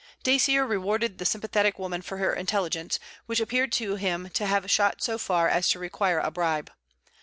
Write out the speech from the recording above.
Dacier rewarded the sympathetic woman for her intelligence, which appeared to him to have shot so far as to require a bribe.